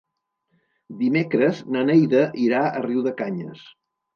Dimecres na Neida irà a Riudecanyes.